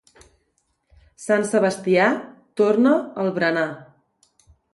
Sant Sebastià torna el berenar.